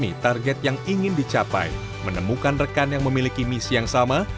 ini target yang ingin dicapai menemukan rekan yang memiliki misi yang sama